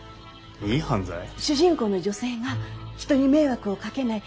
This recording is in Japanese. いい犯罪？主人公の女性が人に迷惑をかけない